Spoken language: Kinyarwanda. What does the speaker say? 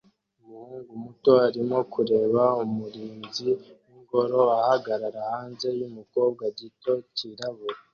umuhungu muto arimo kureba umurinzi wingoro ahagarara hanze yumukobwa gito cyirabura